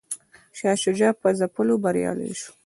شاه شجاع په ځپلو بریالی شو.